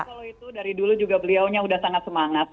kalau itu dari dulu juga beliaunya udah sangat semangat